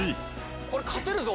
これ、勝てるぞ。